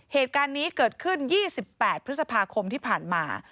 เหตุการณ์นี้เกิดขึ้น๒๘พฤษภาคมที่ผ่านมา